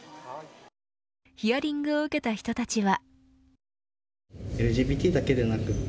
ヒアリングを受けた人たちは。